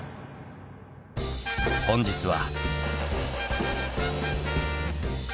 本日は。